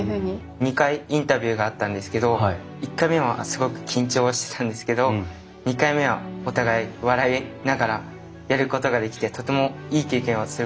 ２回インタビューがあったんですけど１回目はすごく緊張してたんですけど２回目はお互い笑いながらやることができてとてもいい経験をすることができました。